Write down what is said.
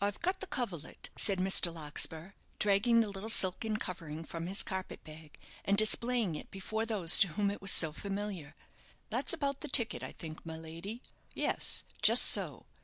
"I've got the coverlet," said Mr. Larkspur, dragging the little silken covering from his carpet bag, and displaying it before those to whom it was so familiar. "That's about the ticket, I think, my lady. Yes, just so.